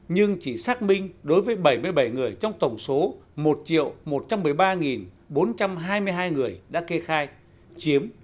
nhưng chỉ xác minh đối với bảy mươi bảy người trong tổng số một một trăm một mươi ba bốn trăm hai mươi hai người đã kê khai chiếm bốn mươi